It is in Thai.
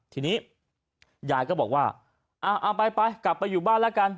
ทีนี้ยายก็บอกว่าเอาไปไปกลับไปอยู่บ้านแล้วกัน